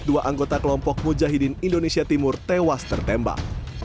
dua anggota kelompok mujahidin indonesia timur tewas tertembak